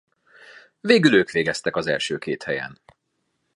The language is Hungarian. Végül ők végeztek az első két helyen.